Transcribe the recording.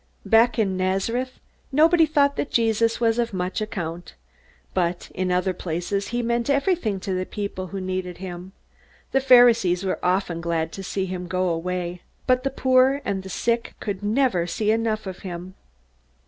Back in Nazareth nobody thought that Jesus was of much account. But in other places he meant everything to people who needed help. The Pharisees were often glad to see him go away. But the poor and the sick could never see enough of him.